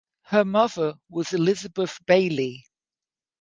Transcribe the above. Her mother was Elizabeth Bayley.